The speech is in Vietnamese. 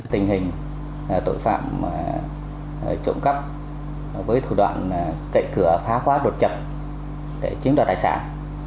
tình hình tội phạm trộm cắp với thủ đoạn cậy cửa phá khóa đột chập để chiếm đoạt tài sản